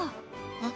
えっ？